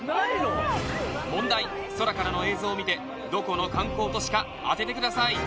問題、空からの映像を見てどこの観光都市か当ててください。